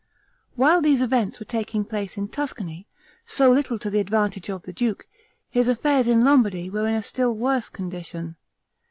While these events were taking place in Tuscany, so little to the advantage of the duke, his affairs in Lombardy were in a still worse condition.